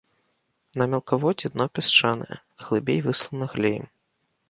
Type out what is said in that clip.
На мелкаводдзі дно пясчанае, глыбей выслана глеем.